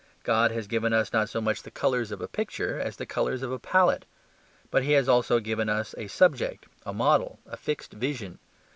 God has given us not so much the colours of a picture as the colours of a palette. But he has also given us a subject, a model, a fixed vision.